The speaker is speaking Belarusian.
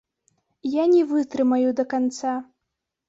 Я не вытрымаю да канца.